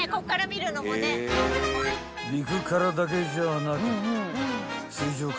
［陸からだけじゃなく］